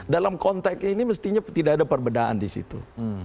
dalam konteks ini mestinya tidak ada perbedaan di situ